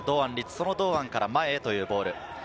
その堂安から前へというボール。